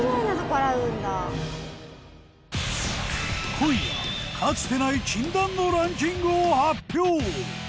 今夜かつてない禁断のランキングを発表！